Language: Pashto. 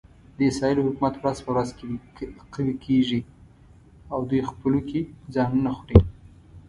د اسرایلو حکومت ورځ په ورځ قوي کېږي او دوی خپلو کې ځانونه خوري.